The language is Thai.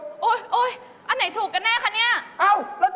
ของหน้าทำได้เยอะเลย